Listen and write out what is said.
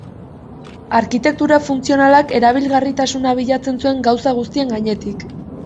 Arkitektura funtzionalak erabilgarritasuna bilatzen zuen gauza guztien gainetik.